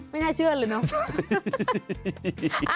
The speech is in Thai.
ไม่น่าเชื่อเลยเนอะ